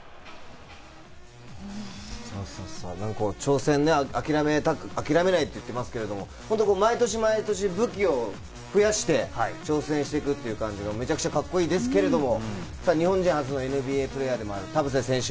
挑戦ね、諦めないと言ってますけれども、毎年毎年、武器を増やして、挑戦していくという感じがめちゃくちゃカッコいいですけれども、日本人初のＮＢＡプレーヤーでもある田臥選手。